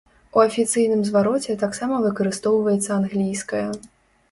У афіцыйным звароце таксама выкарыстоўваецца англійская.